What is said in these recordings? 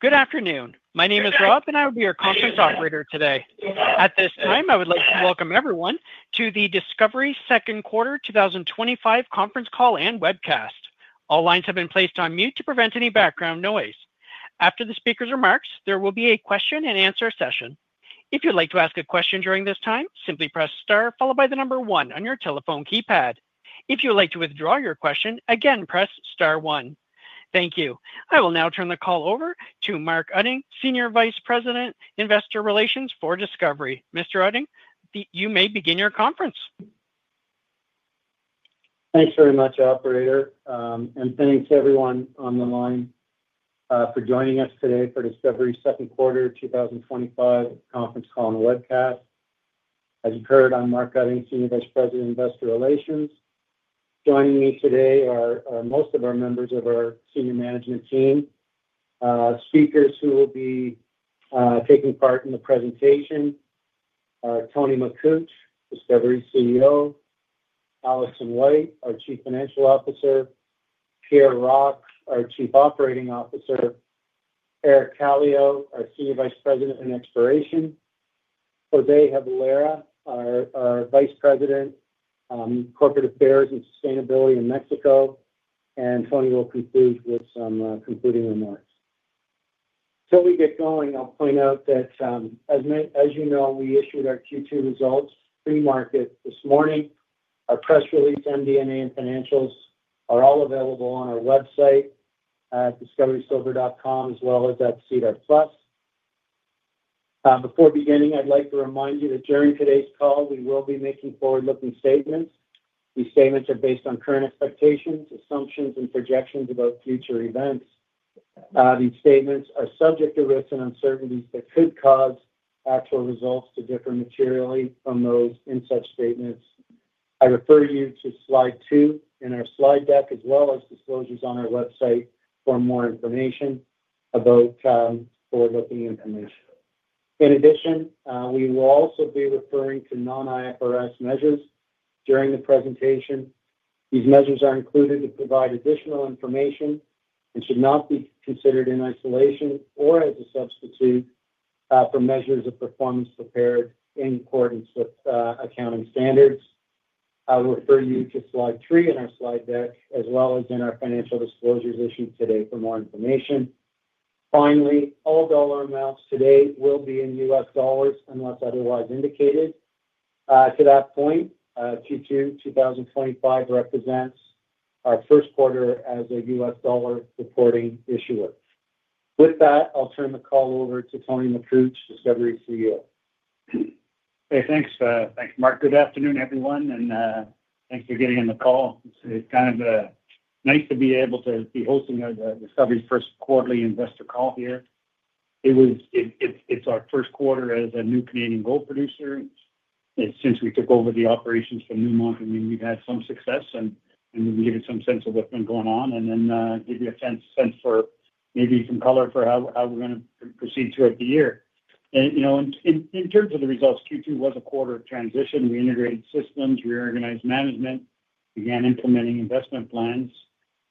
Good afternoon. My name is Rob, and I will be your conference operator today. At this time, I would like to welcome everyone to the Discovery Second Quarter 2025 Conference Call and Webcast. All lines have been placed on mute to prevent any background noise. After the speaker's remarks, there will be a question and answer session. If you'd like to ask a question during this time, simply press star, followed by the number one on your telephone keypad. If you would like to withdraw your question, again, press star one. Thank you. I will now turn the call over to Mark Utting, Senior Vice President, Investor Relations for Discovery. Mr. Utting, you may begin your conference. Thanks very much, operator. Thanks to everyone on the line for joining us today for Discovery Second Quarter 2025 Conference Call and Webcast. As you've heard, I'm Mark Utting, Senior Vice President, Investor Relations. Joining me today are most of our members of our senior management team, speakers who will be taking part in the presentation: Tony Makuch, Discovery's CEO; Alison White, our Chief Financial Officer; Pierre Rocque, our Chief Operating Officer; Eric Kallio, our Senior Vice President, Exploration; Jose Jabalera, our Vice President, Corporate Affairs and Sustainability in Mexico; and Tony will conclude with some concluding remarks. Before we get going, I'll point out that, as you know, we issued our Q2 results pre-market this morning. Our press release, MD&A, and financials are all available on our website at discoverysilver.com, as well as at SEDAR+. Before beginning, I'd like to remind you that during today's call, we will be making forward-looking statements. These statements are based on current expectations, assumptions, and projections about future events. These statements are subject to risks and uncertainties that could cause actual results to differ materially from those in such statements. I refer you to slide two in our slide deck, as well as disclosures on our website for more information about forward-looking information. In addition, we will also be referring to non-IFRS measures during the presentation. These measures are included to provide additional information and should not be considered in isolation or as a substitute for measures of performance prepared in accordance with accounting standards. I will refer you to slide three in our slide deck, as well as in our financial disclosures issued today for more information. Finally, all dollar amounts today will be in US dollars unless otherwise indicated. To that point, Q2 2025 represents our first quarter as a US dollar reporting issuer. With that, I'll turn the call over to Tony Makuch, Discovery's CEO. Hey, thanks, thanks, Mark. Good afternoon, everyone, and thanks for getting on the call. It's kind of nice to be able to be hosting Discovery's first quarterly investor call here. It's our first quarter as a new Canadian gold producer. Since we took over the operations from Newmont, we've had some success and maybe give you some sense of what's been going on and then give you a sense for maybe some color for how we're going to proceed throughout the year. In terms of the results, Q2 was a quarter of transition. We integrated systems, reorganized management, began implementing investment plans.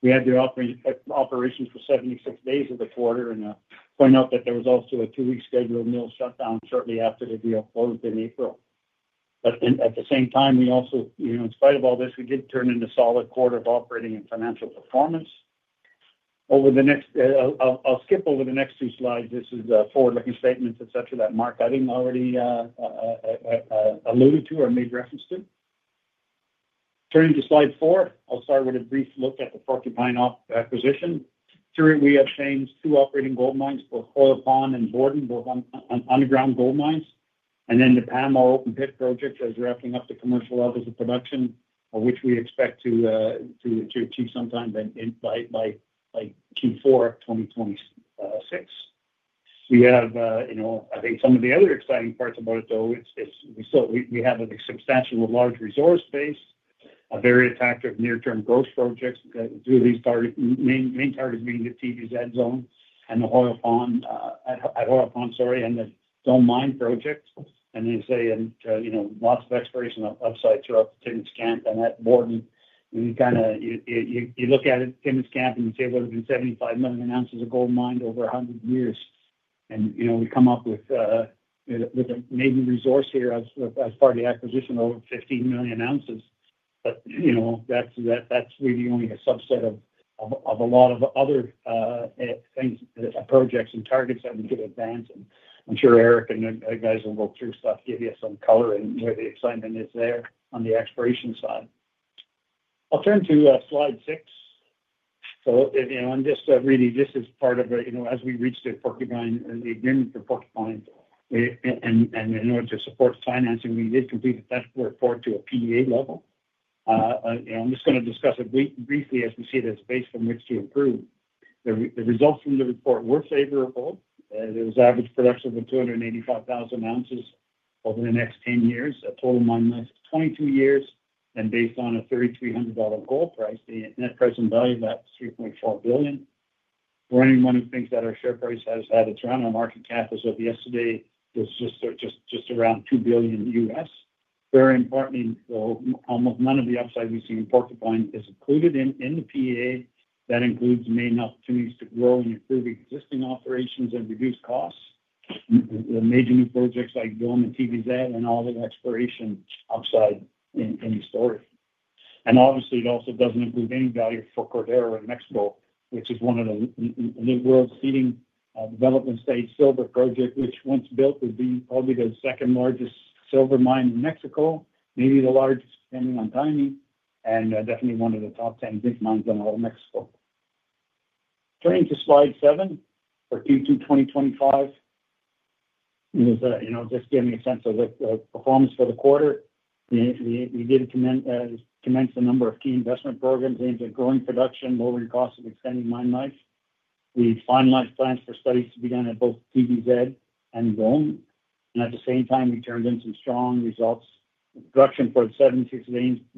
We had the operations for 76 days of the quarter, and I'll point out that there was also a two-week scheduled mill shutdown shortly after the deal closed in April. At the same time, in spite of all this, we did turn in a solid quarter of operating and financial performance. I'll skip over the next two slides. This is the forward-looking statements, etc., that Mark Utting already alluded to or made reference to. Turning to slide four, I'll start with a brief look at the Porcupine operations acquisition. Currently, we have claims to operating gold mines for Hoyle Pond, and Borden, both underground gold mines. The Pamour open pit project is wrapping up the commercial levels of production, which we expect to achieve sometime by Q4 of 2026. I think some of the other exciting parts about it, though, is we have a substantial large resource base, a very active near-term growth project through these main targets being the TVZ zone and the Hoyle Pond, sorry, and the gold mine project. There's lots of exploration upside up in Canada. At Borden, you look at it in this gap and you say, there's been 75 million oz of gold mined over 100 years. We come up with maybe resource here as part of the acquisition, over 15 million oz. That's really only a subset of a lot of other things, projects, and targets that we could advance. I'm sure Eric and the guys will go through stuff, give you some color, and the excitement is there on the exploration side. I'll turn to slide six. On this, really, as we reached the Porcupine and in order to support financing, we did complete a test report to a PEA level. I'm just going to discuss it briefly as we see it as a base from which to improve. The results from the report were favorable. There was average production of 285,000 oz over the next 10 years, a total mine life, 22 years. Based on a $3,300 gold price, the net present value of that is $3.4 billion. For anyone who thinks that our share price has had a downturn, our market cap as of yesterday is just around $2 billion U.S. Very importantly, though, almost none of the upside we see in Porcupine is included in the PEA. That includes many opportunities to grow and improve existing operations and reduce costs. The major new projects like Dome and TVZ and all that exploration upside in the story. Obviously, it also doesn't include any value for Cordero in Mexico, which is one of the world's leading development stage silver projects, which once built would be probably the second largest silver mine in Mexico, maybe the largest depending on timing, and definitely one of the top 10 big mines in all of Mexico. Turning to slide seven for Q2 2025, just giving a sense of the performance for the quarter. We did commence a number of key investment programs aimed at growing production, lowering costs, and extending mine life. We finalized plans for studies to be done at both TVZ and Dome. At the same time, we turned in some strong results. Production for 76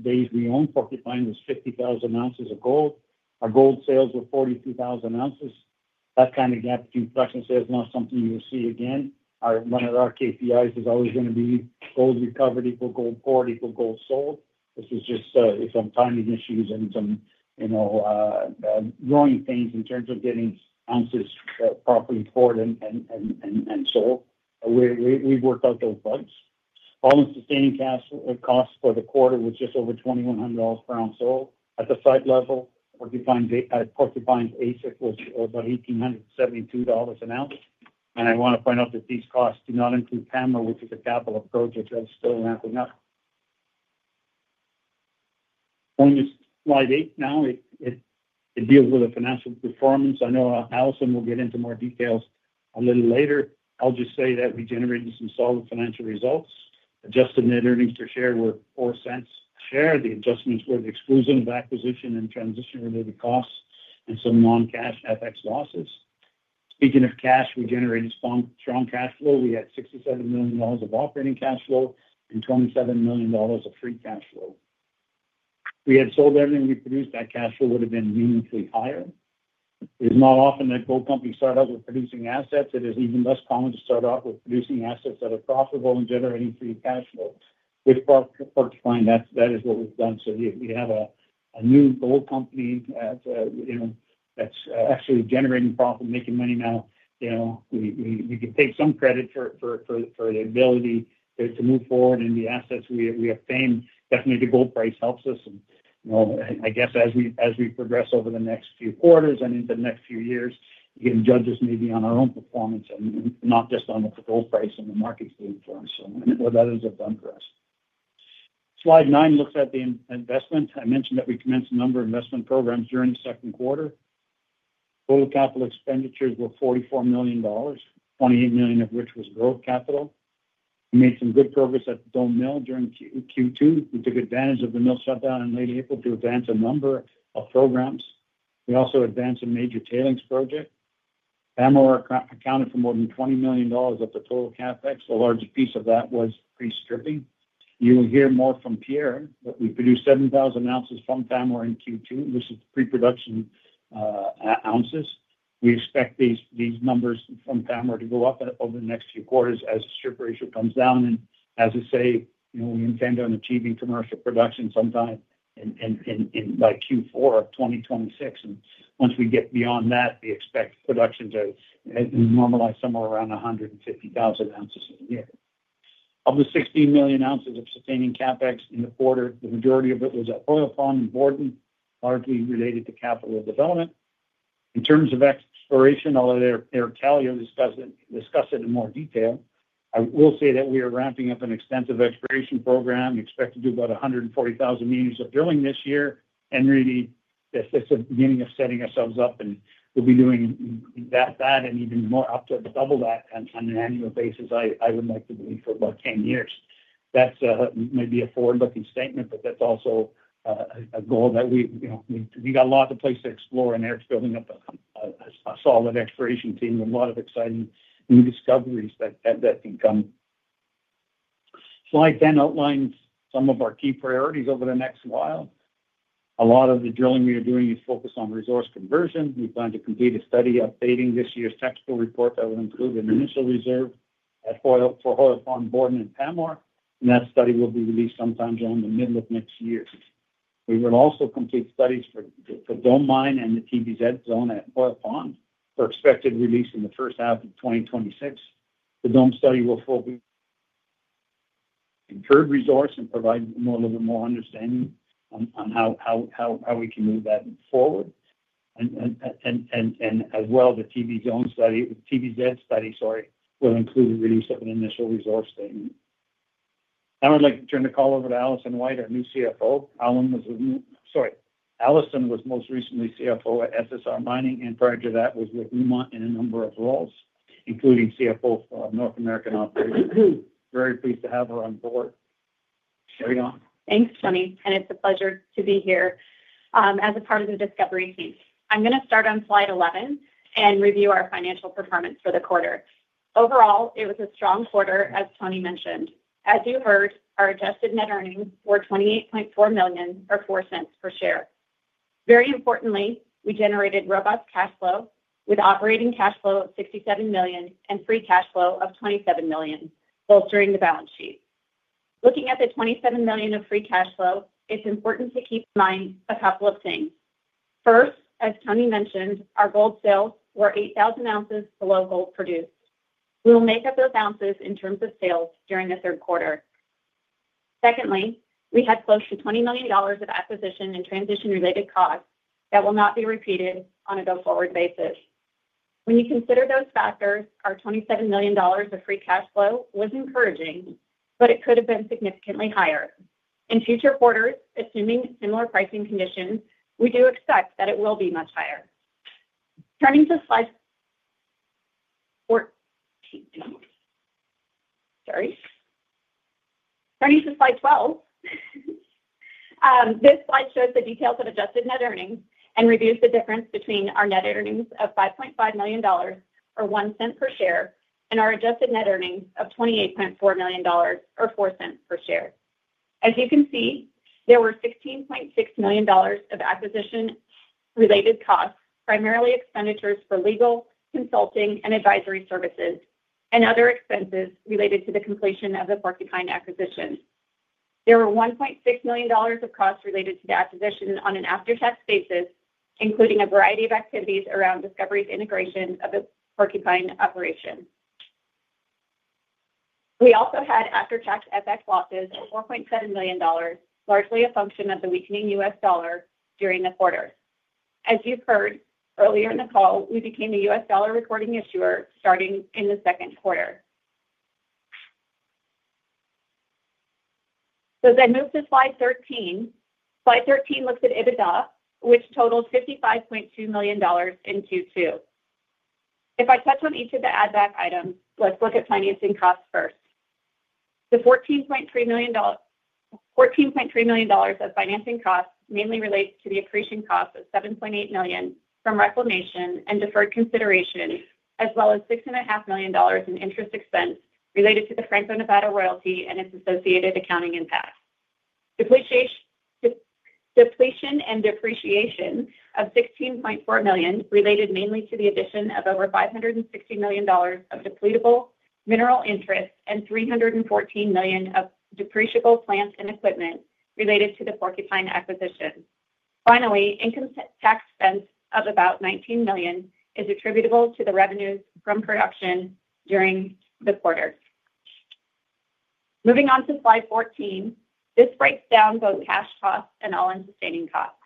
days beyond Porcupine was 50,000 oz of gold. Our gold sales were 42,000 oz. That kind of gap between production and sales is not something you will see again. One of our KPIs is always going to be gold recovered equal gold poured equal gold sold. This is just some timing issues and some growing pains in terms of getting ounces properly poured and sold. We've worked out those bugs. All-in sustaining cash costs for the quarter was just over $2,100 per ounce sold. At the site-level, Porcupine's AISC was about $1,872 an ounce. I want to point out that these costs do not include Pamour, which is a capital approach that's still ramping up. On this slide eight now, it deals with the financial performance. I know Alison will get into more details a little later. I'll just say that we generated some solid financial results. Adjusted net earnings per share were $0.04 a share. The adjustments were the exclusion of acquisition and transition-related costs and some non-cash FX losses. Speaking of cash, we generated strong cash flow. We had $67 million of operating cash flow and $27 million of free cash flow. If we had sold everything we produced, that cash flow would have been uniquely higher. It is not often that gold companies start out with producing assets. It is even less common to start out with producing assets that are profitable and generating free cash flow. With Porcupine, that is what we've done. We have a new gold company that's actually generating profit, making money now. We can take some credit for the ability to move forward in the assets we obtain. Definitely, the gold price helps us. As we progress over the next few quarters and into the next few years, we can judge us maybe on our own performance and not just on what the gold price and the market's doing for us or what others have done for us. Slide nine looks at the investments. I mentioned that we commenced a number of investment programs during the second quarter. Total capital expenditures were $44 million, $28 million of which was growth capital. We made some good progress at the Dome mill during Q2. We took advantage of the mill shutdown in late April to advance a number of programs. We also advanced a major tailings project. Pamour accounted for more than $20 million of the total CapEx. A large piece of that was pre-stripping. You will hear more from Pierre, but we produced 7,000 oz from Pamour in Q2. This is pre-production ounces. We expect these numbers from Pamour to go up over the next few quarters as the strip ratio comes down. We intend on achieving commercial production by Q4 of 2026. Once we get beyond that, we expect production to normalize somewhere around 150,000 oz a year. Of the $16 million of sustaining CapEx in the quarter, the majority of it was at Hoyle Pond and Borden, largely related to capital development. In terms of exploration, although Eric Kallio discussed it in more detail, I will say that we are ramping up an extensive exploration program. We expect to do about 140,000 m of drilling this year. If this is the beginning of setting ourselves up and we'll be doing that and even more, up to double that on an annual basis, I would like to believe for about 10 years. That's maybe a forward-looking statement, but that's also a goal that we've got a lot of the place to explore, and Eric's building up a solid exploration team with a lot of exciting new discoveries that come in. Slide 10 outlines some of our key priorities over the next while. A lot of the drilling we are doing is focused on resource conversion. We plan to complete a study updating this year's technical report that will include an initial reserve for Hoyle Pond, Borden, and Pamour. That study will be released sometime during the middle of next year. We will also complete studies for the Dome mine and the TVZ zone at Hoyle Pond for expected release in the first half of 2026. The Dome study will focus on the incurred resource and provide a little bit more understanding on how we can move that forward. The TVZ study, sorry, will include a release of an initial resource statement. Now I'd like to turn the call over to Alison White, our new CFO. Alison was most recently CFO at SSR Mining and prior to that was with Newmont in a number of roles, including CFO for North American Operations. Very pleased to have her on board. Thanks, Tony. It's a pleasure to be here as a part of the Discovery team. I'm going to start on slide 11 and review our financial performance for the quarter. Overall, it was a strong quarter, as Tony mentioned. As you heard, our adjusted net earnings were $28.4 million or $0.04 per share. Very importantly, we generated robust cash flow with operating cash flow of $67 million and free cash flow of $27 million, bolstering the balance sheet. Looking at the $27 million of free cash flow, it's important to keep in mind a couple of things. First, as Tony mentioned, our gold sales were 8,000 oz below gold produced. We will make up those ounces in terms of sales during the third quarter. Secondly, we had close to $20 million of acquisition and transition-related costs that will not be repeated on a go-forward basis. When you consider those factors, our $27 million of free cash flow was encouraging, but it could have been significantly higher. In future quarters, assuming similar pricing conditions, we do expect that it will be much higher. Turning to slide 12, this slide shows the details of adjusted net earnings and reviews the difference between our net earnings of $5.5 million or $0.01 per share and our adjusted net earnings of $28.4 million or $0.04 per share. As you can see, there were $16.6 million of acquisition-related costs, primarily expenditures for legal, consulting, and advisory services, and other expenses related to the completion of the Porcupine acquisition. There were $1.6 million of costs related to the acquisition on an after-tax basis, including a variety of activities around Discovery's integration of the Porcupine operation. We also had after-tax FX losses of $4.7 million, largely a function of the weakening U.S. dollar during the quarter. As you've heard earlier in the call, we became the U.S. dollar reporting issuer starting in the second quarter. As I move to slide 13, slide 13 looks at EBITDA, which totaled $55.2 million in Q2. If I touch on each of the add-back items, let's look at financing costs first. The $14.3 million of financing costs mainly relate to the appreciation cost of $7.8 million from reclamation and deferred consideration, as well as $6.5 million in interest expense related to the Franco-Nevada royalty and its associated accounting impact. Depletion and depreciation of $16.4 million related mainly to the addition of over $560 million of depletable mineral interest and $314 million of depreciable plants and equipment related to the Porcupine acquisition. Finally, income tax expense of about $19 million is attributable to the revenues from production during the quarter. Moving on to slide 14, this breaks down both cash costs and all-in sustaining costs.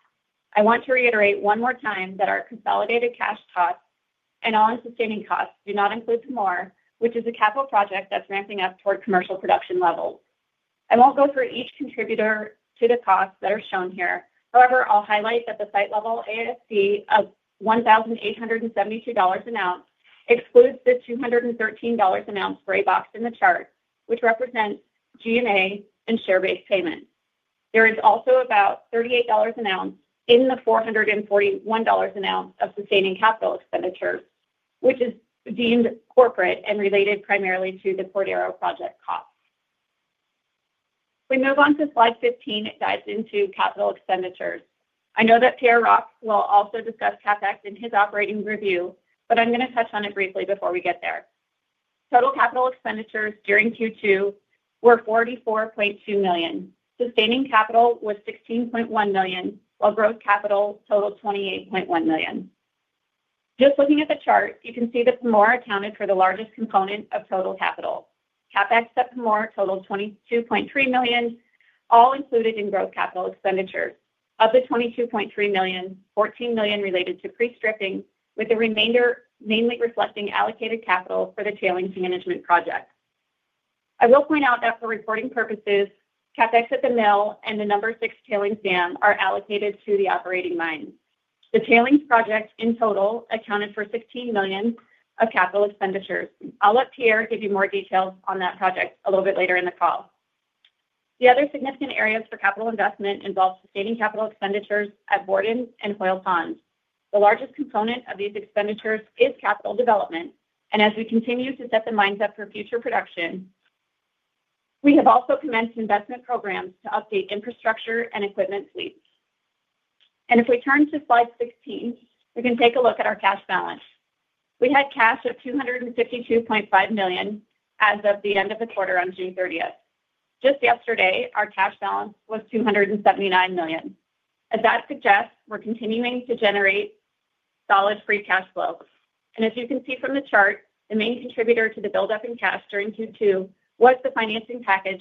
I want to reiterate one more time that our consolidated cash costs and all-in sustaining costs do not include Pamour, which is a capital project that's ramping up toward commercial production levels. I won't go through each contributor to the costs that are shown here. However, I'll highlight that the site-level AISC of $1,872 an ounce excludes the $213 an ounce gray box in the chart, which represents G&A and share-based payments. There is also about $38 an ounce in the $441 an ounce of sustaining capital expenditures, which is deemed corporate and related primarily to the Cordero project costs. We move on to slide 15 that dives into capital expenditures. I know that Pierre Rocque will also discuss CapEx in his operating review, but I'm going to touch on it briefly before we get there. Total capital expenditures during Q2 were $44.2 million. Sustaining capital was $16.1 million, while gross capital totaled $28.1 million. Just looking at the chart, you can see that Pamour accounted for the largest component of total capital. CapEx at Pamour totaled $22.3 million, all included in gross capital expenditures. Of the $22.3 million, $14 million related to pre-stripping, with the remainder mainly reflecting allocated capital for the tailings management project. I will point out that for reporting purposes, CapEx at the mill and the number six tailings dam are allocated to the operating mine. The tailings project in total accounted for $16 million of capital expenditures. I'll let Pierre give you more details on that project a little bit later in the call. The other significant areas for capital investment involve sustaining capital expenditures at Borden and Hoyle Pond. The largest component of these expenditures is capital development. As we continue to set the mines up for future production, we have also commenced investment programs to update infrastructure and equipment fleets. If we turn to slide 16, we can take a look at our cash balance. We had cash of $252.5 million as of the end of the quarter on June 30th. Just yesterday, our cash balance was $279 million. That suggests we're continuing to generate solid free cash flow. As you can see from the chart, the main contributor to the buildup in cash during Q2 was the financing package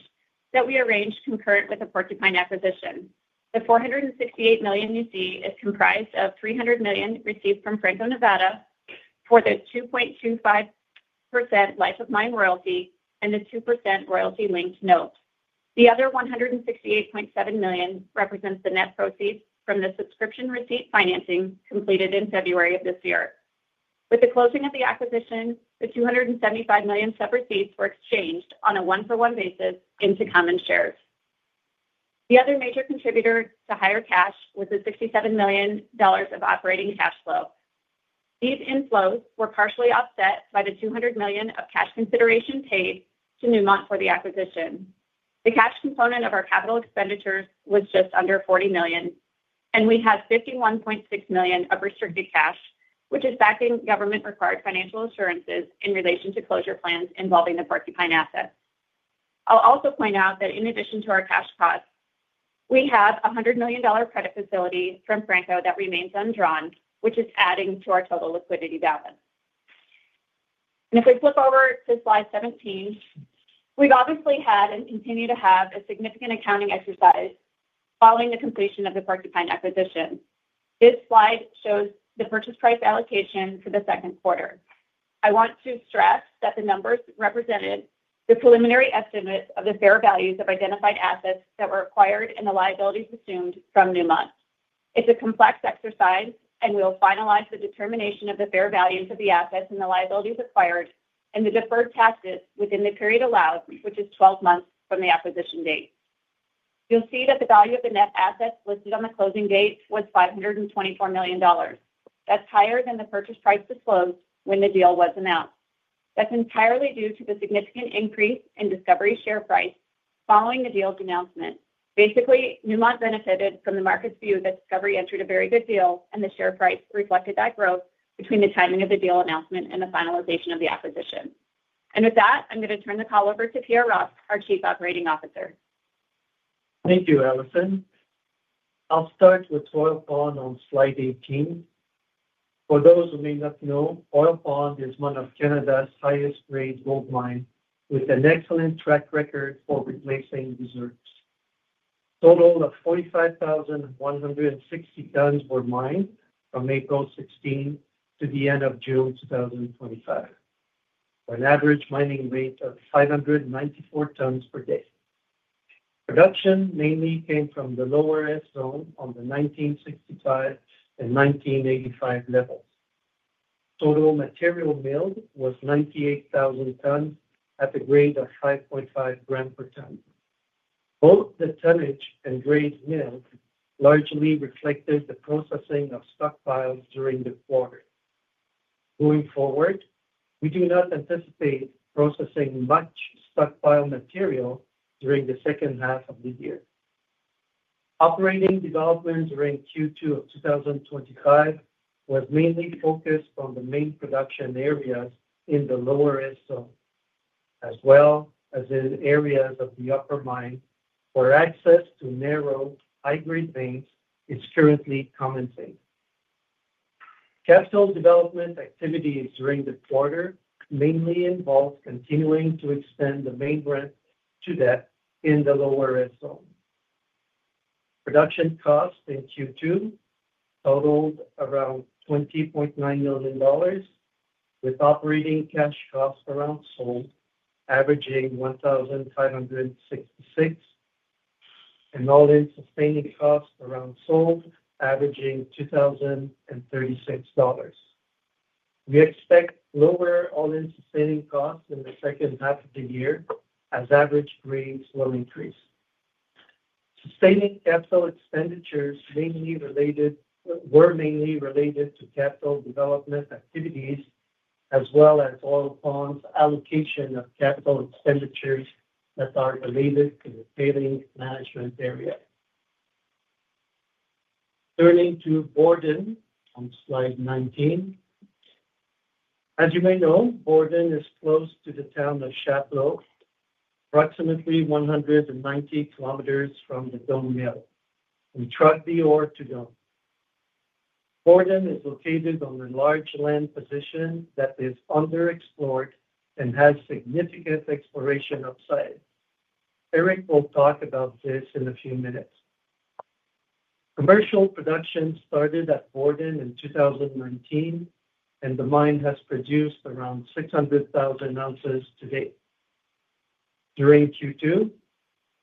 that we arranged concurrent with the Porcupine acquisition. The $468 million you see is comprised of $300 million received from Franco-Nevada for the 2.25% life of mine royalty and the 2% royalty linked note. The other $168.7 million represents the net proceeds from the subscription receipt financing completed in February of this year. With the closing of the acquisition, the $275 million receipts were exchanged on a one-for-one basis into common shares. The other major contributor to higher cash was the $67 million of operating cash flow. These inflows were partially offset by the $200 million of cash consideration paid to Newmont for the acquisition. The cash component of our capital expenditures was just under $40 million, and we had $51.6 million of restricted cash, which is backing government-required financial assurances in relation to closure plans involving the Porcupine assets. I'll also point out that in addition to our cash costs, we have a $100 million credit facility from Franco that remains undrawn, which is adding to our total liquidity balance. If we flip over to slide 17, we've obviously had and continue to have a significant accounting exercise following the completion of the Porcupine acquisition. This slide shows the purchase price allocation for the second quarter. I want to stress that the numbers represent the preliminary estimates of the fair values of identified assets that were acquired and the liabilities assumed from Newmont. It's a complex exercise, and we'll finalize the determination of the fair values of the assets and the liabilities acquired and the deferred taxes within the period allowed, which is 12 months from the acquisition date. You'll see that the value of the net assets listed on the closing date was $524 million. That's higher than the purchase price disclosed when the deal was announced. That's entirely due to the significant increase in Discovery's share price following the deal's announcement. Basically, Newmont benefited from the market's view that Discovery entered a very good deal and the share price reflected that growth between the timing of the deal announcement and the finalization of the acquisition. With that, I'm going to turn the call over to Pierre Rocque, our Chief Operating Officer. Thank you, Alison. I'll start with Hoyle Pond on slide 18. For those who may not know, HoyleP ond is one of Canada's highest-grade gold mines with an excellent track record for replacing reserves. A total of 45,160 tons were mined from April 16 to the end of June 2025. An average mining rate of 594 tons per day. Production mainly came from the lower S zone on the 1965 and 1985 level. Total material milled was 98,000 tons at the grade of 5.5 gram per ton. All of the tonnage and grade milled largely reflected the processing of stockpiles during the quarter. Going forward, we do not anticipate processing much stockpile material during the second half of the year. Operating development during Q2 of 2025 was mainly focused on the main production areas in the lower S zone, as well as in areas of the upper mine where access to narrow hybrid veins is currently commented. Capital development activities during the quarter mainly involved continuing to extend the main ramp to depth in the lower S zone. Production costs in Q2 totaled around $20.9 million, with operating cash costs around sold, averaging $1,566, and all-in sustaining costs around sold, averaging $2,036. We expect lower all-in sustaining costs in the second half of the year as average grades will increase. Sustaining capital expenditures were mainly related to capital development activities, as well as Hoyle Pond's allocation of capital expenditures that are related to the tailings management area. Turning to Borden on slide 19. As you may know, Borden is close to the town of Chapleau, approximately 190 kilometers from the Dome mill. We trucked the ore to Fome. Borden is located on a large land position that is underexplored and has significant exploration upside. Eric will talk about this in a few minutes. Commercial production started at Borden in 2019, and the mine has produced around 600,000 oz to date. During Q2,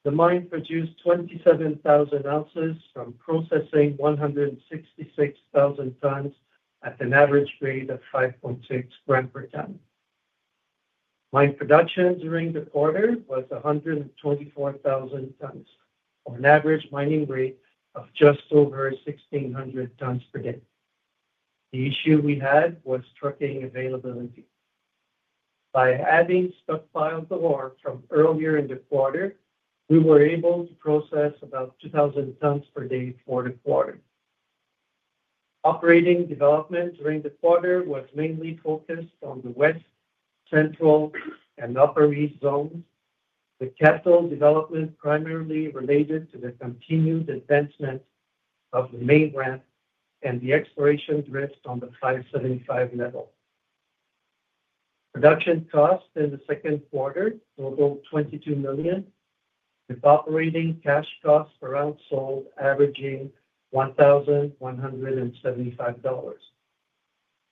the mine produced 27,000 oz from processing 166,000 tons at an average grade of 5.6 gram per ton. Mine production during the quarter was 124,000 tons or an average mining rate of just over 1,600 tons per day. The issue we had was trucking availability. By adding stockpiles of ore from earlier in the quarter, we were able to process about 2,000 tons per day for the quarter. Operating development during the quarter was mainly focused on the West, Central, and Upper East Zones. The capital development primarily related to the continued advancement of the main ramp and the exploration drift on the 575 level. Production costs in the second quarter totaled $22 million, with operating cash costs per ounce sold averaging $1,175.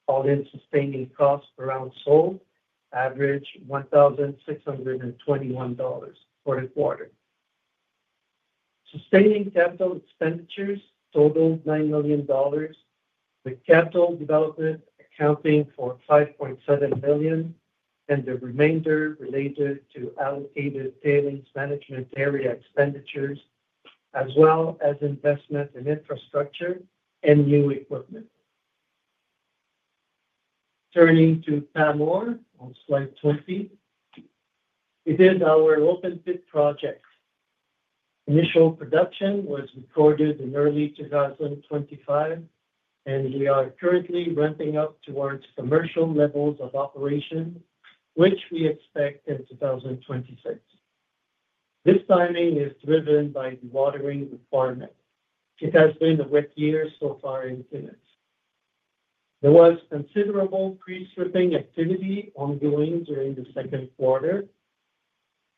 All-in sustaining costs per ounce sold averaged $1,621 for the quarter. Sustaining capital expenditures totaled $9 million, with capital development accounting for $5.7 million and the remainder related to allocated tailings management area expenditures, as well as investment in infrastructure and new equipment. Turning to Pamour on slide 20, we did our open pit project. Initial production was recorded in early 2025, and we are currently ramping up towards commercial levels of operation, which we expect in 2026. This timing is driven by the watering requirement. It has been a wet year so far in Timmins. There was considerable pre-stripping activity ongoing during the second quarter.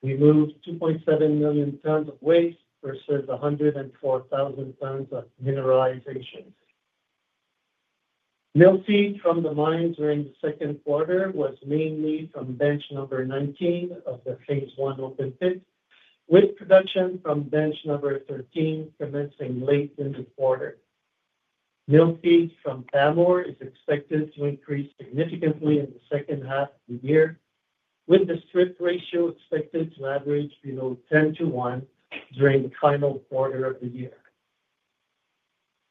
We moved 2.7 million tons of waste versus 104,000 tons of mineralization. The yield speed from the mine during the second quarter was mainly on bench number 19 of the phase one open pit, with production from bench number 13 commencing late in the quarter. Yield speed from Pamour is expected to increase significantly in the second half of the year, with the strip ratio expected to average below 10:1 during the final quarter of the year.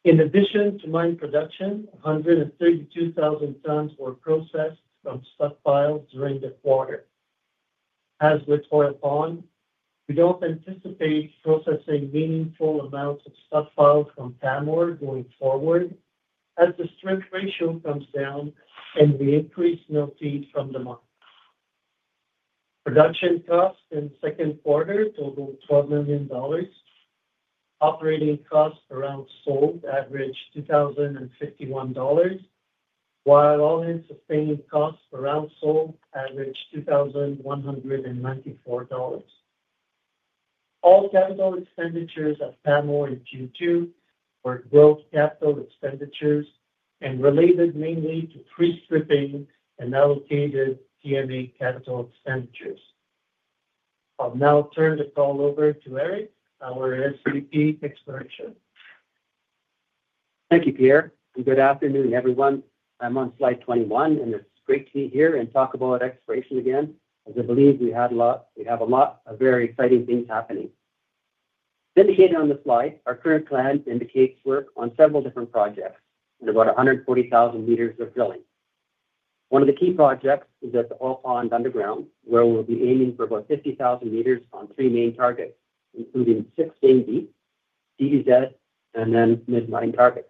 In addition to mine production, 132,000 tons were processed from stockpiles during the quarter. As with Hoyle Pond, we don't anticipate processing meaningful amounts of stockpiles from Pamour going forward as the strip ratio comes down and we increase yield speed from the mine. Production costs in the second quarter totaled $12 million. Operating costs per ounce sold averaged $2,051, while all-in sustaining costs per ounce sold averaged $2,194. All capital expenditures at Pamour in Q2 were gross capital expenditures and related mainly to pre-stripping and allocated G&A capital expenditures. I'll now turn the call over to Eric, our SVP for Exploration. Thank you, Pierre. Good afternoon, everyone. I'm on slide 21, and it's great to be here and talk about exploration again, as I believe we have a lot of very exciting things happening. As indicated on the slide, our current plan indicates work on several different projects and about 140,000 m of drilling. One of the key projects is at the Hoyle Pond underground, where we'll be aiming for about 50,000 m on three main targets, including the ship's main deep, TVZ, and then mid-mine targets.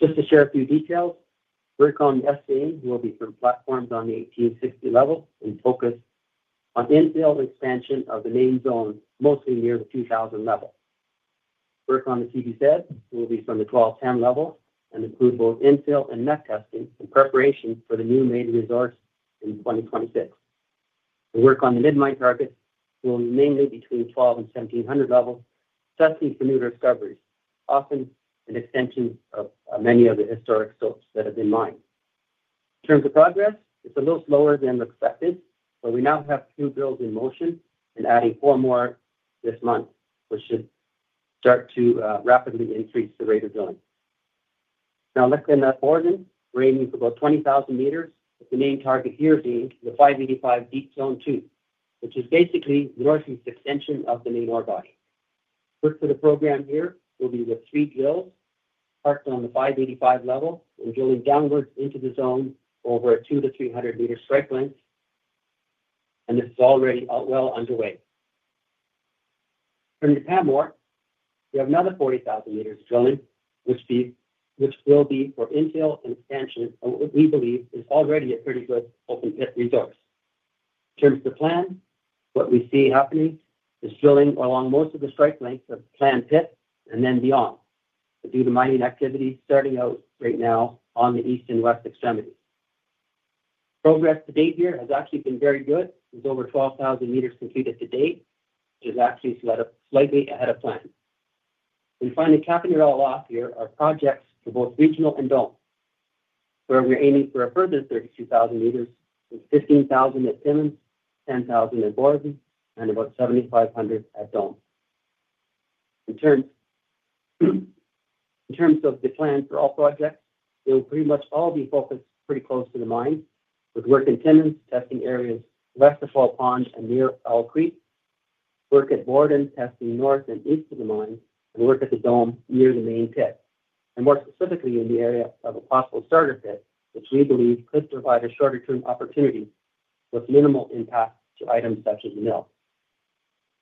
Just to share a few details, work on the S-beam will be from platforms on the 1860 level and focus on infill expansion of the main zone, mostly near the 2000 level. Work on the TVZ will be from the 1210 level and include both infill and net testing in preparation for the new main resort in 2026. The work on the mid-mine targets will be mainly between 12 and 1700 levels, testing for new discoveries, often an extension of many of the historic scopes that have been mined. In terms of progress, it's a little slower than expected, but we now have two drills in motion and adding four more this month, which should start to rapidly increase the rate of drilling. Now, let's say that Borden ranges about 20,000 m. The main target here being the 585 deep zone two, which is basically the northeast extension of the main ore body. Work for the program here will be with speed drills parked on the 585 level and drilling downwards into the zone over a 200 to 300-meter strike length. This is already well underway. From the Pamour, we have another 40,000 m drilling, which will be for infill and expansion of what we believe is already a pretty good open pit resort. In terms of the plan, what we see happening is drilling along most of the strike length of the planned pit and then beyond due to mining activity starting out right now on the east and west extremity. Progress to date here has actually been very good with over 12,000 m completed to date, which is actually slightly ahead of plan. Finally, capping it all off here are projects for both regional and Dome, where we're aiming for 132,000 m with 15,000 at Timmins, 10,000 at Borden, and about 7,500 at Dome. In terms of the plan for all projects, it will pretty much all be focused pretty close to the mine, with work in Timmins testing areas west of Hoyle Pond and near Elk Creek, work at Borden testing north and east of the mine, and work at the Dome near the main pit, and more specifically in the area of a possible starter pit, which we believe could provide a shorter-term opportunity with minimal impact to items such as mill.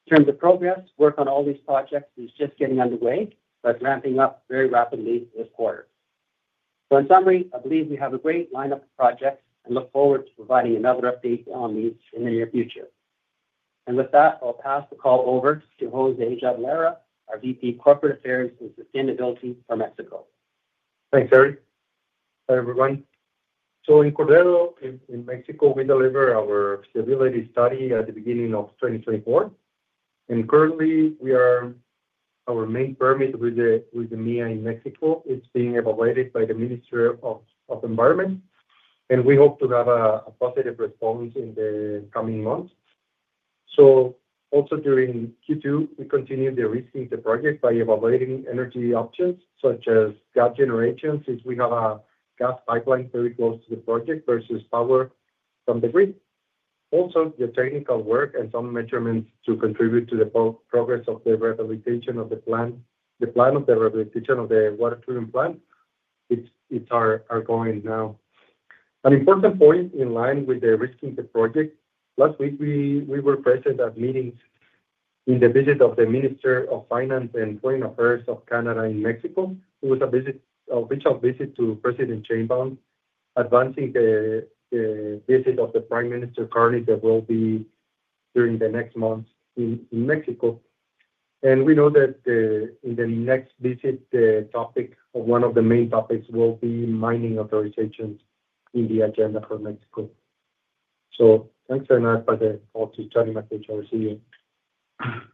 In terms of progress, work on all these projects is just getting underway, but it's ramping up very rapidly this quarter. I believe we have a great lineup of projects and look forward to providing another update on these in the near future. With that, I'll pass the call over to José Jabalera, our VP of Corporate Affairs and Sustainability from Mexico. Thanks, Eric. Hi, everyone. In Cordero in Mexico, we deliver our feasibility study at the beginning of 2024. Currently, our main permit with the MEA in Mexico is being evaluated by the Ministry of Environment, and we hope to have a positive response in the coming months. During Q2, we continued de-risking project by evaluating energy options, such as gas generation, since we have a gas pipeline very close to the project versus power from the grid. The technical work and some measurements to contribute to the progress of the rehabilitation of the plant, the plan of the rehabilitation of the water treatment plant is our goal now. An important point in line with de-risking project, last week we were present at meetings in the visit of the Minister of Finance and Foreign Affairs of Canada in Mexico. It was an official visit to President Champagne, advancing the visit of the Prime Minister currently that will be during the next month in Mexico. We know that in the next visit, one of the main topics will be mining authorizations in the agenda for Mexico. Thanks very much for the opportunity.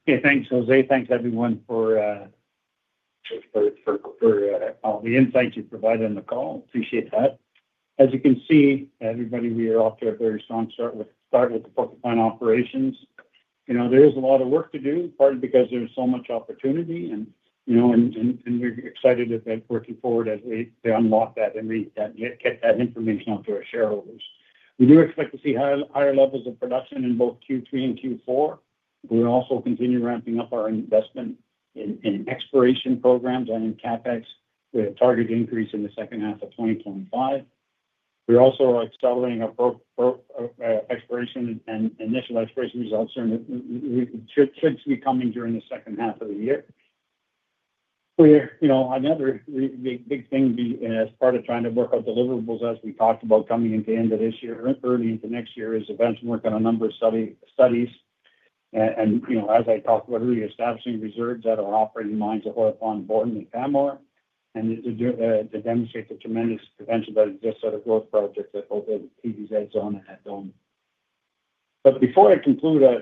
Okay. Thanks, José. Thanks, everyone, for all the insights you provided on the call. Appreciate that. As you can see, everybody, we are off to a very strong start with the Porcupine operations. There is a lot of work to do, partly because there's so much opportunity. We're excited about working forward to unlock that and get that information out to our shareholders. We do expect to see higher levels of production in both Q3 and Q4. We will also continue ramping up our investment in exploration programs and in CapEx with a target increase in the second half of 2025. We also are accelerating our exploration and initial exploration results should be coming during the second half of the year. Another big thing as part of trying to work on deliverables, as we talked about coming into the end of this year, early into next year, is a bunch of work on a number of studies. As I talked about earlier, establishing reserves at our operating mines at Hoyle Pond, Borden, and Pamour, and to demonstrate the tremendous potential that exists out of growth projects that open the TVZ zone and at Dome. Before I conclude, I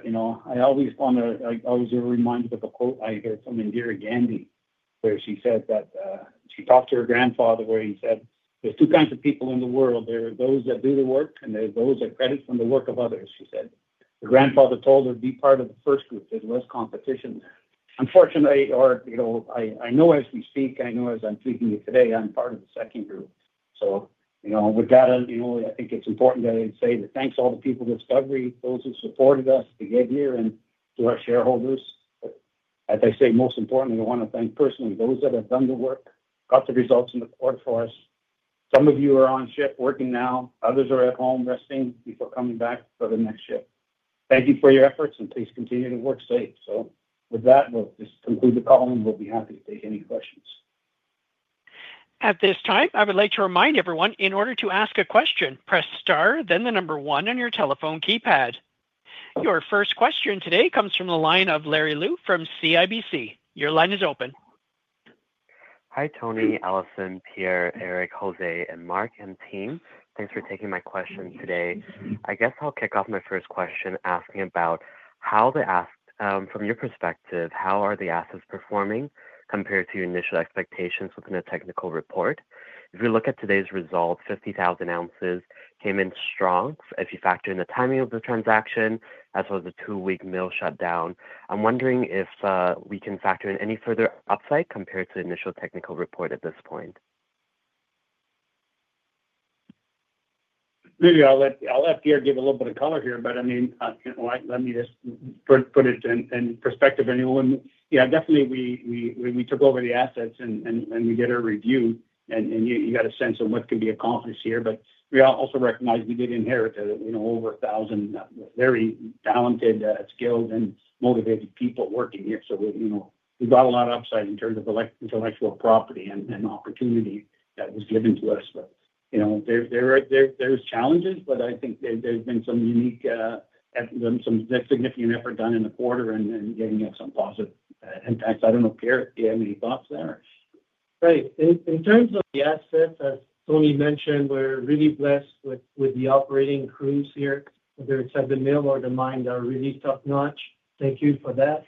always remind you of the quote I hear from Indira Gandhi, where she said that she talked to her grandfather, where he said, "There's two kinds of people in the world. There are those that do the work, and there are those that benefit from the work of others," she said. Her grandfather told her, "Be part of the first group. There's less competition." Unfortunately, I know as I'm speaking to you today, I'm part of the second group. With that, I think it's important that I say thanks to all the people at Discovery, those who supported us to get here, and to our shareholders. Most importantly, I want to thank personally those that have done the work, got the results in the quarter for us. Some of you are on shift working now. Others are at home resting before coming back for the next shift. Thank you for your efforts, and please continue to work safe. With that, we'll just conclude the call, and we'll be happy to take any questions. At this time, I would like to remind everyone, in order to ask a question, press star, then the number one on your telephone keypad. Your first question today comes from the line of Larry Liu from CIBC. Your line is open. Hi, Tony, Alison, Pierre, Eric, José, and Mark and team. Thanks for taking my question today. I guess I'll kick off my first question asking about how, from your perspective, how are the assets performing compared to your initial expectations within a technical report? If we look at today's results, 50,000 oz came in strong if you factor in the timing of the transaction, as well as the two-week mill shutdown. I'm wondering if we can factor in any further upside compared to the initial technical report at this point. Maybe I'll let Pierre give a little bit of color here, but let me just put it in perspective. Yeah, definitely, we took over the assets, and we did a review, and you got a sense of what can be accomplished here. We also recognize we did inherit over 1,000 very talented, skilled, and motivated people working here. We got a lot of upside in terms of intellectual property and opportunity that was given to us. There are challenges, but I think there's been some unique, significant effort done in the quarter and getting some positive impacts. I don't know, Pierre, do you have any thoughts there? Right. In terms of the asset, Tony mentioned, we're really blessed with the operating crews here, whether it's at the mill or the mine, they're really top-notch. Thank you for that.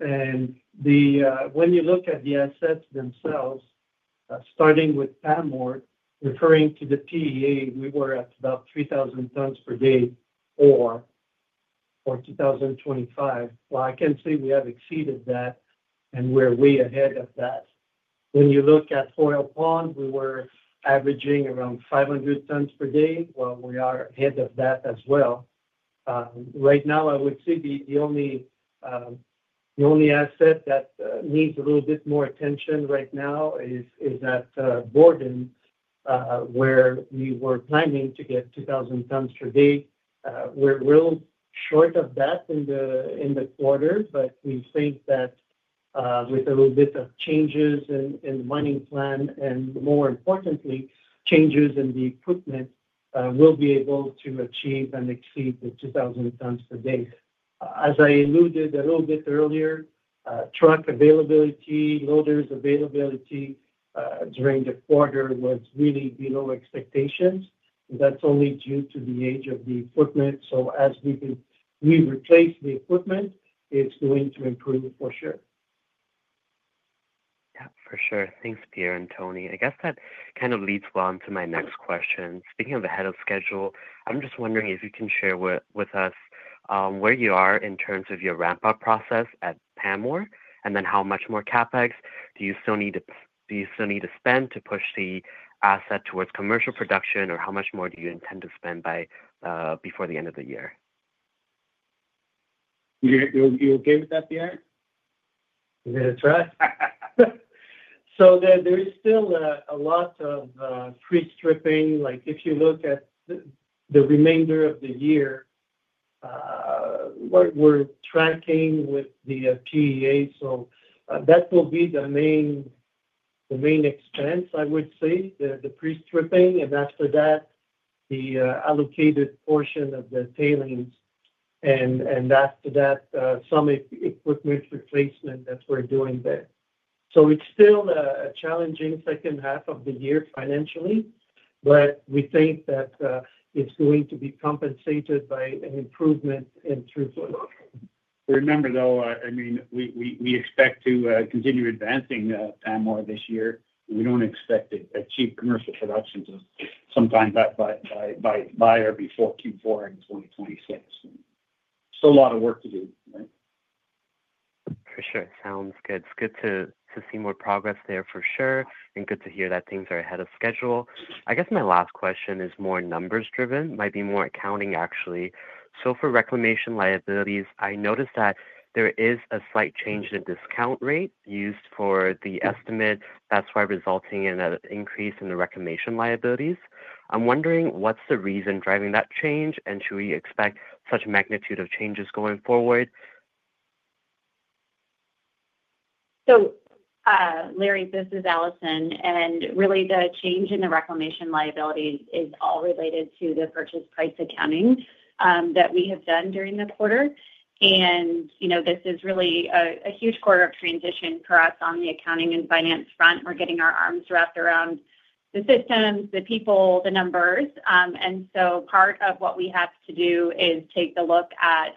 When you look at the assets themselves, starting with Pamour, referring to the PDA, we were at about 3,000 tons per day for 2025. I can say we have exceeded that, and we're way ahead of that. When you look at Hoyle Pond, we were averaging around 500 tons per day. We are ahead of that as well. Right now, I would say the only asset that needs a little bit more attention right now is at Borden, where we were planning to get 2,000 tons per day. We're a little short of that in the quarter, but we think that with a little bit of changes in the mining plan and more importantly, changes in the equipment, we'll be able to achieve and exceed the 2,000 tons per day. As I alluded a little bit earlier, truck availability, loaders availability during the quarter was really below expectations. That's only due to the age of the equipment. As we replace the equipment, it's going to improve for sure. Yeah, for sure. Thanks, Pierre and Tony. I guess that kind of leads well into my next question. Speaking of ahead of schedule, I'm just wondering if you can share with us where you are in terms of your ramp-up process at Pamour, and then how much more CapEx do you still need to spend to push the asset towards commercial production, or how much more do you intend to spend before the end of the year? You'll get it at the end? You'll get it to us? There is still a lot of pre-stripping. If you look at the remainder of the year, what we're tracking with the PDA, that will be the main expense, I would say, the pre-stripping. After that, the allocated portion of the tailings. After that, some equipment replacement that we're doing there. It's still a challenge in the second half of the year financially, but we think that it's going to be compensated by improvement in terms of. Remember, though, I mean, we expect to continue advancing Pamour this year. We expect to achieve commercial production by or before Q4 in 2026. It's a lot of work to do, right? For sure. Sounds good. It's good to see more progress there for sure, and good to hear that things are ahead of schedule. I guess my last question is more numbers-driven. It might be more accounting, actually. For reclamation liabilities, I noticed that there is a slight change in the discount rate used for the estimate. That's why resulting in an increase in the reclamation liabilities. I'm wondering, what's the reason driving that change, and should we expect such a magnitude of changes going forward? Larry, this is Alison. The change in the reclamation liability is all related to the purchase price accounting that we have done during the quarter. This is really a huge quarter of transition for us on the accounting and finance front. We're getting our arms wrapped around the systems, the people, the numbers. Part of what we have to do is take a look at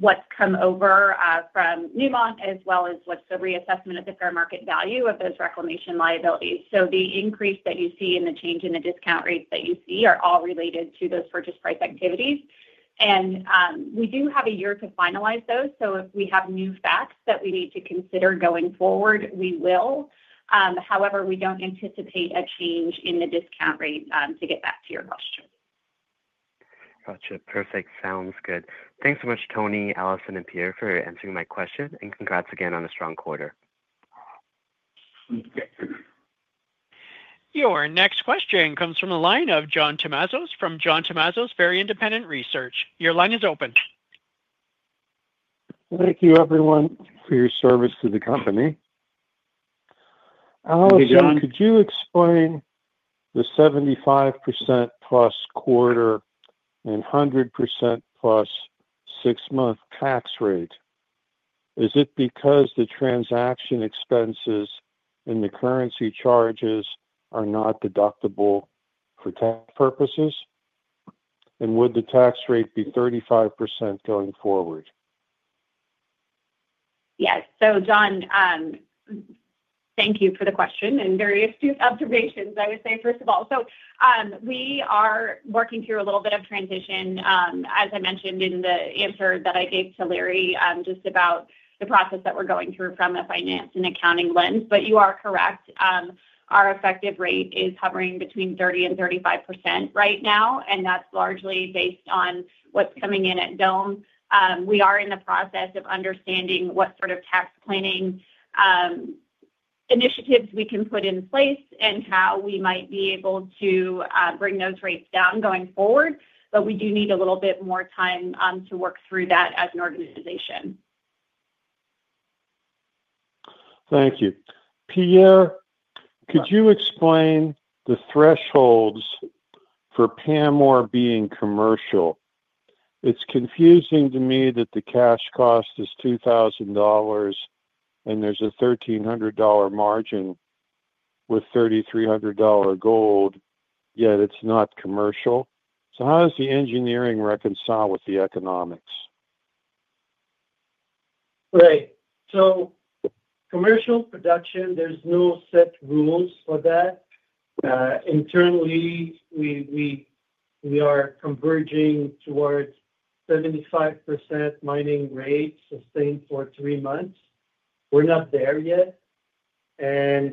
what's come over from Newmont, as well as what's the reassessment of the fair market value of those reclamation liabilities. The increase that you see and the change in the discount rates that you see are all related to those purchase price activities. We do have a year to finalize those. If we have new facts that we need to consider going forward, we will. However, we don't anticipate a change in the discount rate to get back to your question. Gotcha. Perfect. Sounds good. Thanks so much, Tony, Alison, and Pierre, for answering my question. Congrats again on a strong quarter. Your next question comes from the line of John Tmazos from John Tumazos Very Independent Research. Your line is open. Thank you, everyone, for your service to the company. Thank you, John. Alison, could you explain the 75%+ quarter and 100%+ six-month tax rate? Is it because the transaction expenses and the currency charges are not deductible for tax purposes? Would the tax rate be 35% going forward? Yes. John, thank you for the question and various observations. I would say, first of all, we are working through a little bit of transition, as I mentioned in the answer that I gave to Larry, just about the process that we're going through from a finance and accounting lens. You are correct. Our effective rate is hovering between 30% and 35% right now, and that's largely based on what's coming in at Dome. We are in the process of understanding what sort of tax planning initiatives we can put in place and how we might be able to bring those rates down going forward. We do need a little bit more time to work through that as an organization. Thank you. Pierre, could you explain the thresholds for Pamour being commercial? It's confusing to me that the cash cost is $2,000 and there's a $1,300 margin with $3,300 gold, yet it's not commercial. How does the engineering reconcile with the economics? Right. Commercial production, there's no set rules for that. Internally, we are converging towards 75% mining rate sustained for three months. We're not there yet. As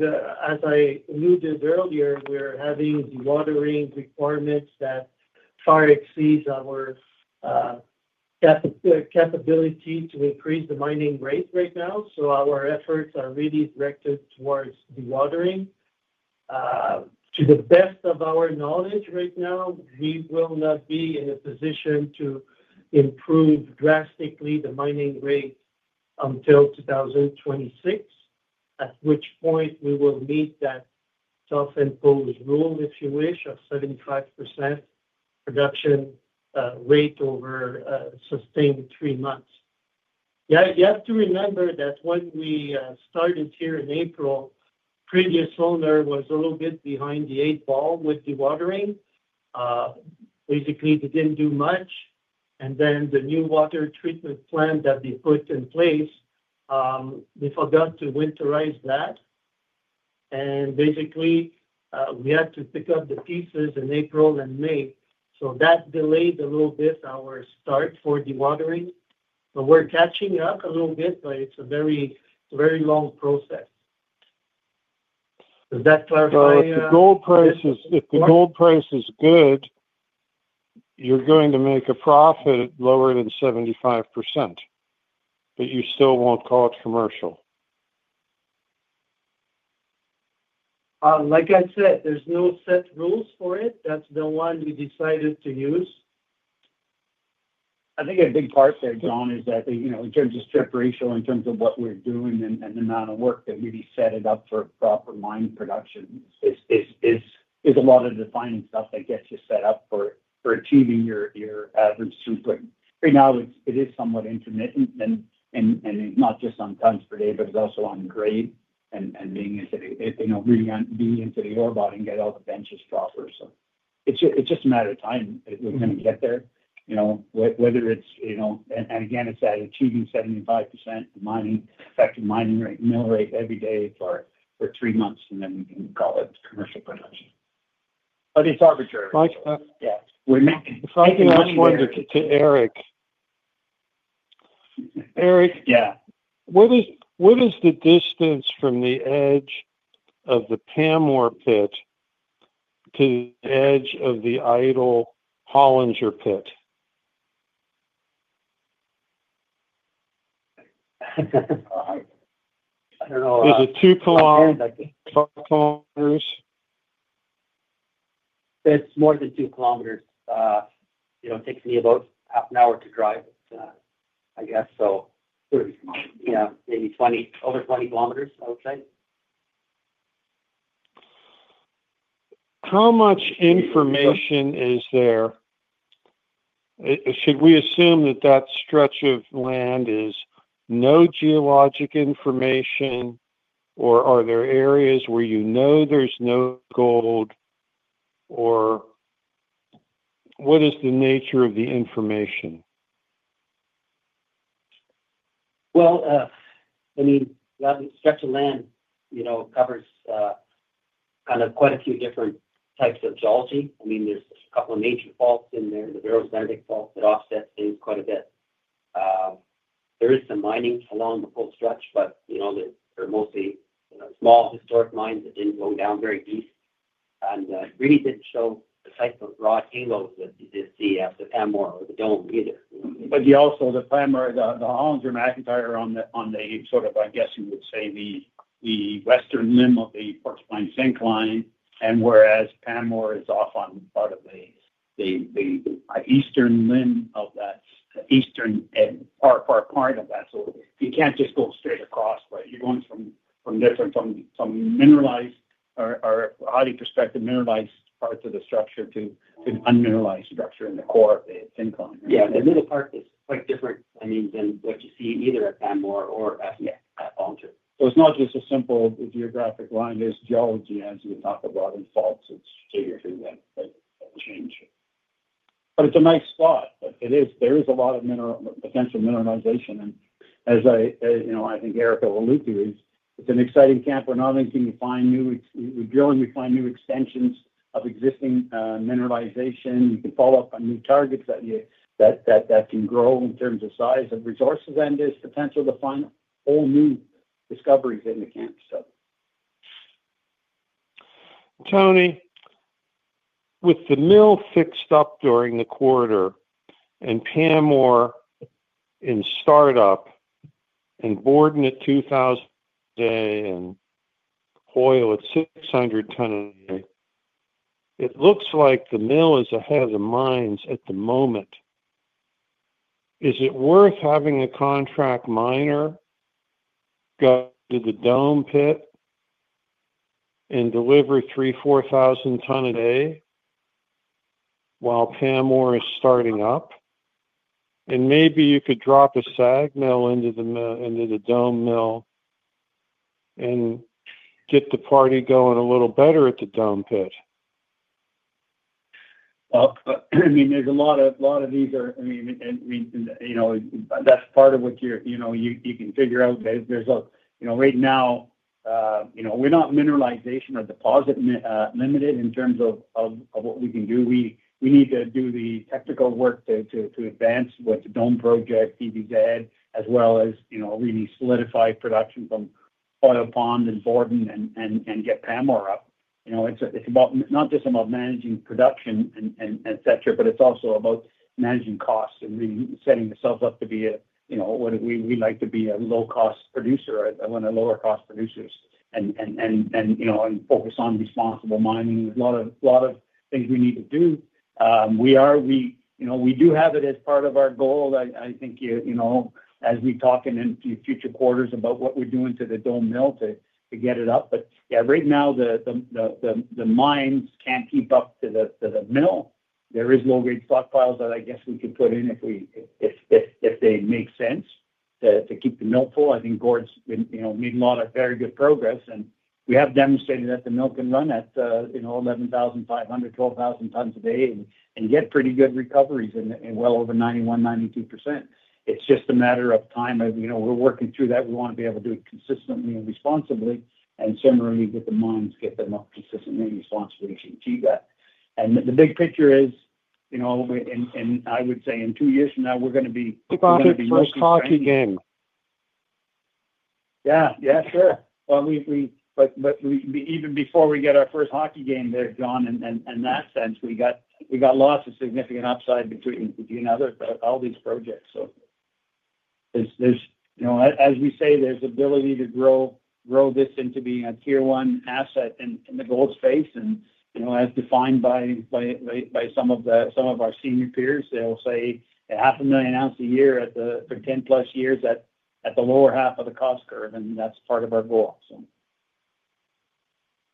I alluded earlier, we're having dewatering requirements that far exceed our capability to increase the mining rate right now. Our efforts are really directed towards dewatering. To the best of our knowledge right now, we will not be in a position to improve drastically the mining rate until 2026, at which point we will meet that self-imposed rule, if you wish, of 75% production rate over sustained three months. You have to remember that when we started here in April, the previous owner was a little bit behind the eight ball with dewatering. Basically, they didn't do much. The new water treatment plan that we put in place, we forgot to winterize that. Basically, we had to pick up the pieces in April and May. That delayed a little bit our start for dewatering. We're catching up a little bit, but it's a very, very long process. Does that clarify? If the gold price is good, you're going to make a profit lower than 75%, but you still won't call it commercial. Like I said, there's no set rules for it. That's the one we decided to use. I think a big part there, John, is that in terms of shift ratio, in terms of what we're doing and the amount of work that really set it up for proper mine production, is a lot of the finance stuff that gets you set up for achieving your average throughput. Right now, it is somewhat intermittent, and it's not just on tons per day, but it's also on grade and being able to really be into the airboat and get all the benches proper. It's just a matter of time that we're going to get there. Whether it's, you know, achieving 75% effective mining rate every day for three months, then we can call it commercial production. It's arbitrary. [Mike]. Yeah. If I can ask one to Eric. Eric? Yeah. What is the distance from the edge of the Pamour pit to the edge of the idle Hoyle Pond pit? I don't know. Is it two kilometers, five kilometers? It's more than two kilometers. You know, it takes me about half an hour to drive, I guess. It would be small. Yeah, maybe 20 km, over 20 km, I would say. How much information is there? Should we assume that that stretch of land is no geologic information, or are there areas where you know there's no gold, or what is the nature of the information? That stretch of land, you know, it covers kind of quite a few different types of geology. I mean, there's a couple of major faults in there, the [Barrows] Benedict fault that offset things quite a bit. There is some mining along the full stretch, but you know they're mostly small historic mines that didn't go down very deep. It really didn't show the type of broad halos that you just see at the Pamour or the Dome either. The Pamour, the Hollinger magnetite are on the sort of, I guess you would say, the western limb of the Porcupine sink line. Whereas Pamour is off on part of the eastern limb of that, eastern and far part of that. You can't just go straight across, but you're going from different mineralized or highly prospective mineralized parts of the structure to an unmineralized structure in the core of the sink line. Yeah, the little part is quite different, I mean, than what you see either at Pamour or at Hoyle Pond. It's not just a simple geographic line. There's geology, as you talked about, and faults to get through that change. It's a nice spot. There is a lot of potential mineralization. As I think Eric alluded to, it's an exciting camp. Not only can you find new drilling, you find new extensions of existing mineralization. You can follow up on new targets that can grow in terms of size and resources, and there's potential to find all new discoveries in the camp. Tony, with the mill fixed up during the quarter and Pamour in startup and Borden at 2,000 a day and Hoyle at 600 ton a day, it looks like the mill is ahead of the mines at the moment. Is it worth having a contract miner go to the Dome pit and deliver 3,000, 4,000 ton a day while Pamour is starting up? Maybe you could drop a SAG mill into the Dome mill and get the party going a little better at the Dome pit. There are a lot of these, you know, that's part of what you can figure out. Right now, we're not mineralization or deposit limited in terms of what we can do. We need to do the technical work to advance with the Dome project, TVZ, as well as really solidify production from Hoyle Pond and Borden and get Pamour up. It's not just about managing production, but it's also about managing costs and really setting yourself up to be what we like to be, a low-cost producer. I want to lower cost producers and focus on responsible mining. There are a lot of things we need to do. We do have it as part of our goal. I think, as we talk in future quarters about what we're doing to the Dome mill to get it up. Right now, the mines can't keep up to the mill. There are low-grade stockpiles that I guess we can put in if they make sense to keep the mill full. I think Gord's made a lot of very good progress. We have demonstrated that the mill can run at 11,500, 12,000 tons a day and get pretty good recoveries in well over 91%, 92%. It's just a matter of time. We're working through that. We want to be able to do it consistently and responsibly. Similarly, with the mines, get them up consistently and responsibly to achieve that. The big picture is, I would say in two years from now, we're going to be. We could have our first hockey game. Yeah, sure. Even before we get our first hockey game there, John, in that sense, we got lots of significant upside between you and others, all these projects. There's, you know, as we say, there's the ability to grow this into being a tier one asset in the gold space. As defined by some of our senior peers, they'll say 500,000 oz a year for 10+ years at the lower half of the cost curve. That's part of our goal.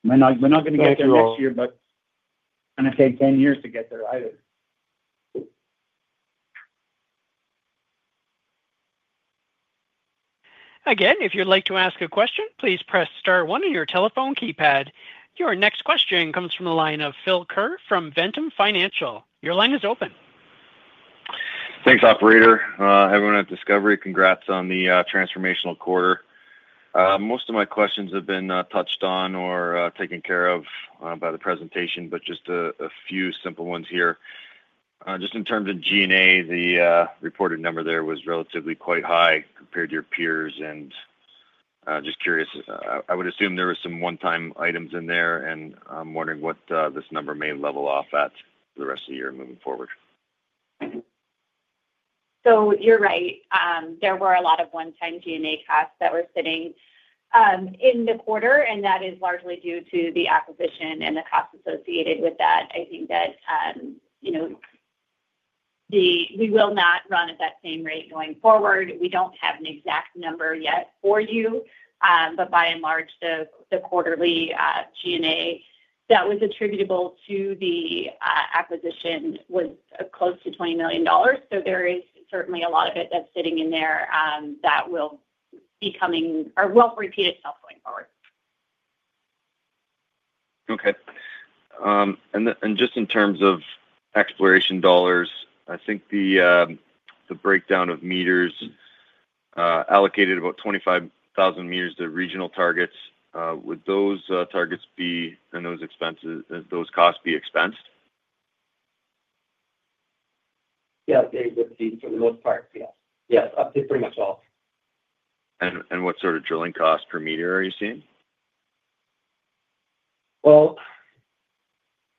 We're not going to get there next year, but it's not going to take 10 years to get there either. Again, if you'd like to ask a question, please press star one on your telephone keypad. Your next question comes from the line of Phil Ker from Ventum Financial. Your line is open. Thanks, operator. Everyone at Discovery, congrats on the transformational quarter. Most of my questions have been touched on or taken care of by the presentation, but just a few simple ones here. In terms of G&A, the reported number there was relatively quite high compared to your peers. I'm just curious, I would assume there were some one-time items in there, and I'm wondering what this number may level off at for the rest of the year moving forward. You're right. There were a lot of one-time G&A costs that were sitting in the quarter, and that is largely due to the acquisition and the costs associated with that. I think that, you know, we will not run at that same rate going forward. We don't have an exact number yet for you, but by March, the quarterly G&A that was attributable to the acquisition was close to $20 million. There is certainly a lot of it that's sitting in there that will be coming or will repeat itself going forward. Okay. In terms of exploration dollars, I think the breakdown of meters allocated about 25,000 m to regional targets. Would those targets be and those expenses, those costs be expensed? Yeah, they would be for the most part. Yeah, up to pretty much all. What sort of drilling costs per meter are you seeing?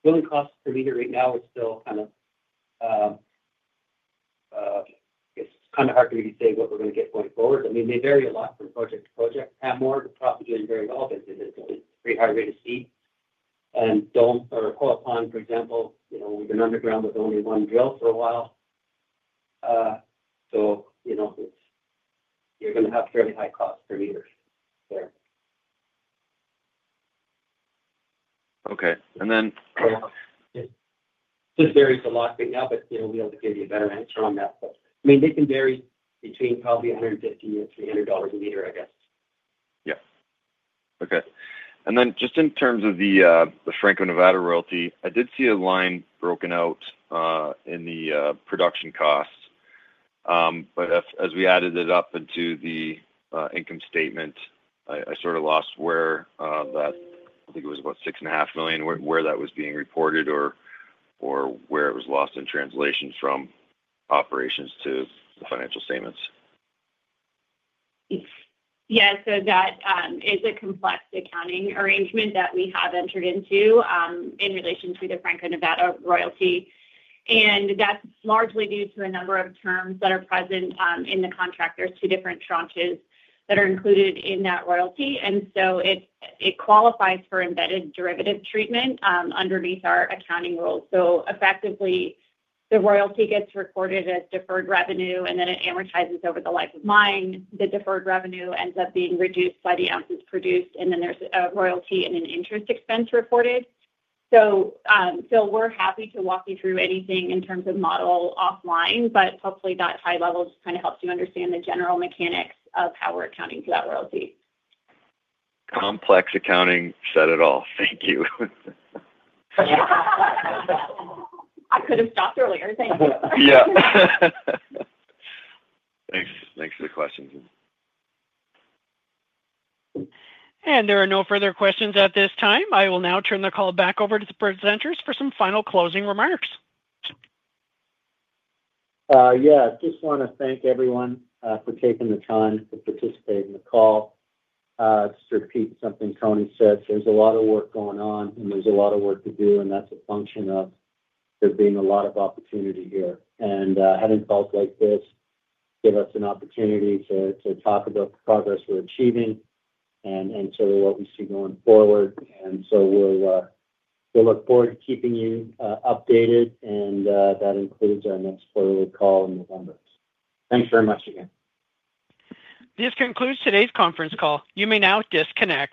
Drilling costs per meter right now, it's still kind of, I guess, kind of hard for me to say what we're going to get going forward. I mean, they vary a lot from project to project. Pamour is very relevant in this case. We have a rate of speed. Dome or Hoyle Pond, for example, you know, we've been underground with only one drill for a while, so you know, you're going to have fairly high costs per meter. Okay. Then. It just varies a lot right now, but you know, we'll be able to give you a better answer on that. I mean, they can vary between probably $150 to $300 a meter, I guess. Okay. In terms of the Franco-Nevada royalty, I did see a line broken out in the production costs. As we added it up into the income statement, I sort of lost where that, I think it was about $6.5 million, where that was being reported or where it was lost in translations from operations to the financial statements. Yes. That is a complex accounting arrangement that we have entered into in relation to the Franco-Nevada royalty. That's largely due to a number of terms that are present in the contract, two different tranches that are included in that royalty. It qualifies for embedded derivative treatment underneath our accounting rules. Effectively, the royalty gets recorded as deferred revenue, and then it amortizes over the life of mine. The deferred revenue ends up being reduced by the ounces produced, and then there's a royalty and an interest expense reported. We're happy to walk you through anything in terms of model offline, but hopefully, that high level just kind of helps you understand the general mechanics of how we're accounting for that royalty. Complex accounting set it off. Thank you. I could have stopped earlier. Thanks for the questions. There are no further questions at this time. I will now turn the call back over to the presenters for some final closing remarks. Yeah. I just want to thank everyone for taking the time to participate in the call. I'll just repeat something Tony said. There's a lot of work going on, and there's a lot of work to do, and that's a function of there being a lot of opportunity here. Having calls like this gives us an opportunity to talk about the progress we're achieving and what we see going forward. We'll look forward to keeping you updated, and that includes our next quarterly call in November. Thanks very much again. This concludes today's conference call. You may now disconnect.